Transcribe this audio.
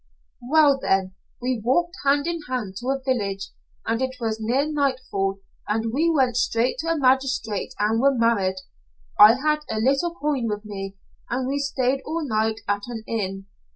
"Well, then we walked hand in hand to a village, and it was near nightfall, and we went straight to a magistrate and were married. I had a little coin with me, and we stayed all night at an inn.